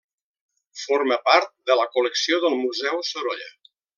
Forma part de la col·lecció del Museu Sorolla.